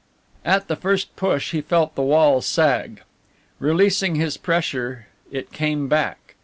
At the first push he felt the wall sag. Releasing his pressure it came back.